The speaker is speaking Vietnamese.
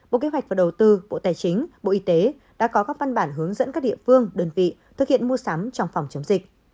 bộ kế hoạch và đầu tư bộ tài chính bộ y tế đã có các văn bản hướng dẫn các địa phương đơn vị thực hiện mua sắm trong phòng chống dịch